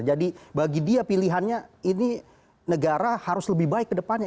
jadi bagi dia pilihannya ini negara harus lebih baik ke depannya